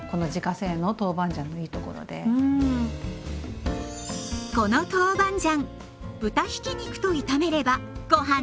この豆板醤豚ひき肉と炒めればご飯にもぴったり。